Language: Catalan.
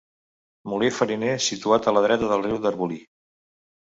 Molí fariner situat a la dreta del riu d'Arbolí.